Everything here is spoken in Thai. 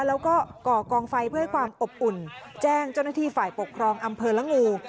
แล้วก็ก่อกองไฟเพื่อให้ความอบอุ่นแจ้งเจ้าหน้าที่ฝ่ายปกครองอำเภอละงู